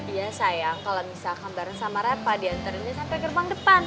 iya sayang kalau misalkan bareng sama reva diantarin aja sampe gerbang depan